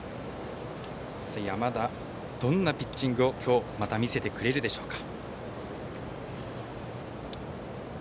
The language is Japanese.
山田、どんなピッチングを今日見せてくれるでしょうか。